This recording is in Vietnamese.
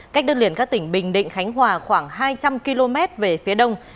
cách đất liền các tỉnh bình định khánh hòa khoảng hai trăm linh km về phía đông